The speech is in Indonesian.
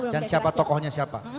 dan siapa tokohnya siapa